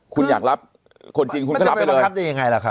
คุณอยากรับคนจีนคุณก็รับไปเลย